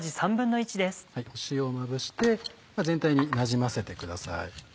塩をまぶして全体になじませてください。